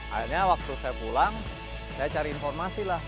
akhirnya waktu saya pulang saya cari informasi lah